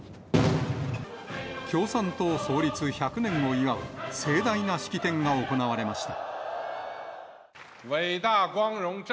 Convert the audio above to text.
共産党創立１００年を祝う盛大な式典が行われました。